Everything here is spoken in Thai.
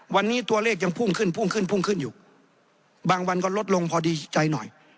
วันนี้ตัวเลขยังพุ่งขึ้นพุ่งขึ้นพุ่งขึ้นอยู่บางวันก็ลดลงพอดีใจหน่อย